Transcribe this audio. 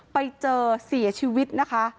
ไปเจอเสียชีวิตนะคะ